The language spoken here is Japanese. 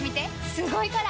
すごいから！